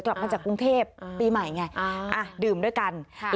กลับมาจากกรุงเทพปีใหม่ไงอ่าอ่ะดื่มด้วยกันค่ะ